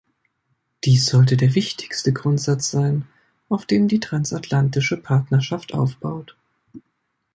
Dies sollte der wichtigste Grundsatz sein, auf dem die transatlantische Partnerschaft aufbaut.